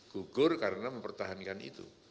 gugur karena mempertahankan itu